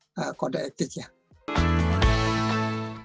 pengamat komunikasi dan media sekaligus ketua ikatan sanar